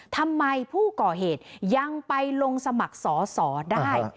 ทำไมผู้ก่อเหตุยังไปลงสมัครสอสอได้